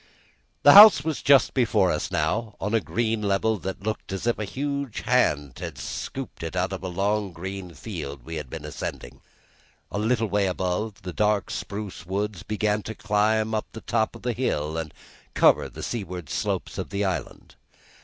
The house was just before us now, on a green level that looked as if a huge hand had scooped it out of the long green field we had been ascending. A little way above, the dark, spruce woods began to climb the top of the hill and cover the seaward slopes of the island.